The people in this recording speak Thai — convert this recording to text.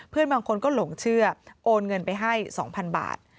เพื่อนบางคนก็หลงเชื่อโอนเงินไปให้๒๐๐๐บาท